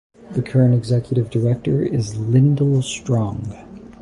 The current Executive Director is Lyndel Strong.